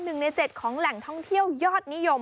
หนึ่งในเจ็ดของแหล่งท่องเที่ยวยอดนิยม